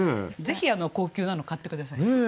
ぜひ高級なの買って下さい。